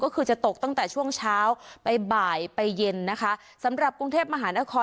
ก็คือจะตกตั้งแต่ช่วงเช้าไปบ่ายไปเย็นนะคะสำหรับกรุงเทพมหานคร